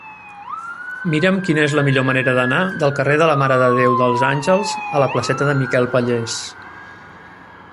Mira'm quina és la millor manera d'anar del carrer de la Mare de Déu dels Àngels a la placeta de Miquel Pallés.